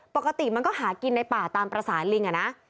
ปกติมันก็หากินในป่าตามภาษาลิงอ่ะนะ